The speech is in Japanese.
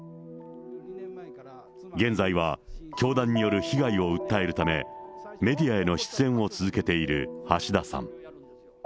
現在は教団による被害を訴えるため、メディアへの出演を続けている橋田さん。